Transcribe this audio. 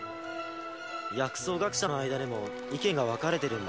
薬草学者の間でも意見が分かれてるんだ